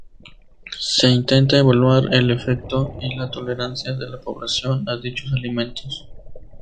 Se intenta evaluar el efecto y la tolerancia de la población a dichos alimentos.